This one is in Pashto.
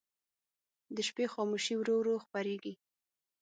د شپې خاموشي ورو ورو خپرېږي.